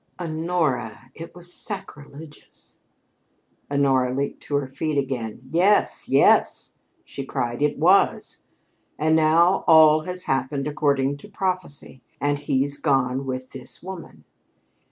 "Honora, it was sacrilegious!" Honora leaped to her feet again. "Yes, yes," she cried, "it was. And now all has happened according to prophecy, and he's gone with this woman!